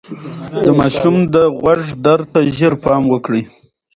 د ماشوم د غوږ درد ته ژر پام وکړئ.